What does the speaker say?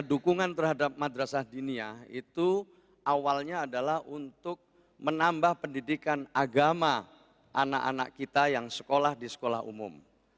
dukungan terhadap madrasah dinia itu awalnya adalah untuk menambah pendidikan agama anak anak kita yang sekolah di sekolah umum